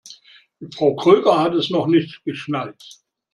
Frau Kröger hat es noch nicht geschnallt.